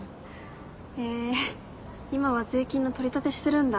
へぇ今は税金の取り立てしてるんだ。